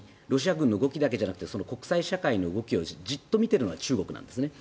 ロシア軍の動きだけじゃなくて国際社会の動きをじっと見てるのが中国なんです。